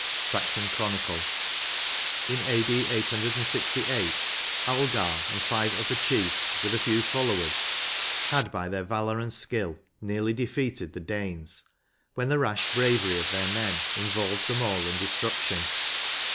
— Saxon Chronicle, In A.D. 868, Algar and five other chiefs, with a few followers, had hy their valour and skill nearly defeated the Danes, when the rash hravery of their men involved them all in destruction.